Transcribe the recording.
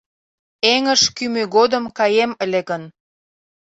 Эҥыж кӱмӧ годым каем ыле гын